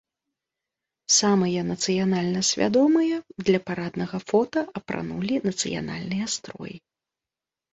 Самыя нацыянальна свядомыя для параднага фота апранулі нацыянальныя строі.